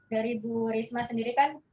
dari bu risma sendiri kan